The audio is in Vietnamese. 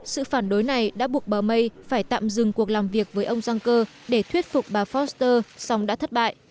sự phản đối này đã buộc bà may phải tạm dừng cuộc làm việc với ông juncker để thuyết phục bà forster song đã thất bại